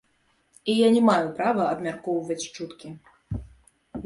І я не маю права абмяркоўваць чуткі.